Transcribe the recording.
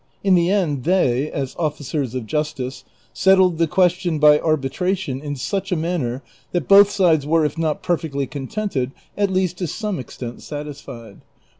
In the end they, as officers of justice, settled the ques tion by arbitration in such a manner that both sides were, if not perfectly contented, at least to some extent satisfied ; for * Escote ; old French cscot. 392 DON QUIXOTE.